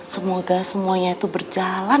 semoga semuanya itu berjalan